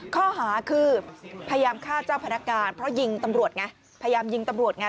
ข้อหาคือพยายามฆ่าเจ้าพนักงานเพราะยิงตำรวจไงพยายามยิงตำรวจไง